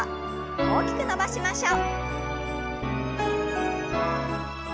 大きく伸ばしましょう。